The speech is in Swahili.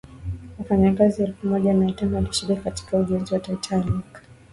wafanyikazi elfu moja mia tano walishiriki katika ujenzi wa titanic